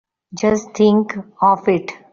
Just think of it!